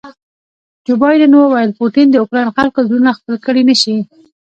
جو بایډن وویل پوټین د اوکراین خلکو زړونه خپل کړي نه شي.